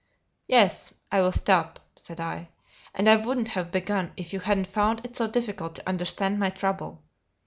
"Yes, I will stop," said I, "and I wouldn't have begun if you hadn't found it so difficult to understand my trouble.